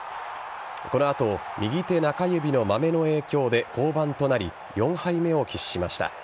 この後、右手中指のまめの影響で降板となり４敗目を喫しました。